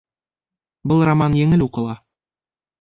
Был роман еңел уҡыла